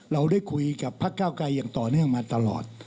เราได้คุยกับพักเก้าไกรอย่างต่อเนื่องมาตลอด